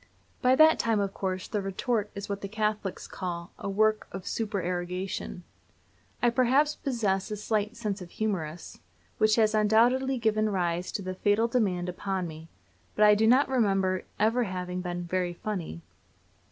By that time, of course, the retort is what the Catholics call "a work of supererogation." I perhaps possess a slight "sense of the humorous," which has undoubtedly given rise to the fatal demand upon me, but I do not remember ever having been very funny.